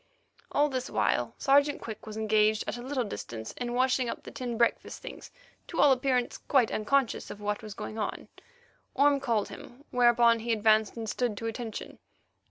All this while Sergeant Quick was engaged at a little distance in washing up the tin breakfast things, to all appearance quite unconscious of what was going on. Orme called him, whereupon he advanced and stood to attention.